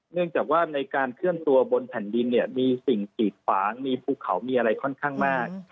เนื่องจากว่าในการเคลื่อนตัวบนแผ่นดินเนี่ยมีสิ่งกีดขวางมีภูเขามีอะไรค่อนข้างมาก